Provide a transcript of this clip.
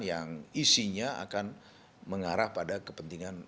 yang isinya akan mengarah pada kepentingan